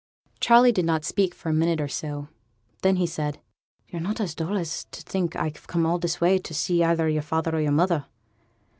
Charley did not speak for a minute or so. Then he said 'Yo're not so dull as to think I'm come all this way for t' see either your father or your mother.